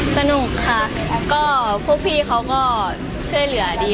สนุกค่ะก็พวกพี่เขาก็ช่วยเหลือดี